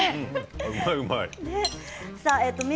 うまい、うまい。